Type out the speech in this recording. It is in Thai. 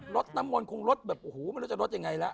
รถน้ำมนต์คงลดแบบโอ้โหไม่รู้จะลดยังไงแล้ว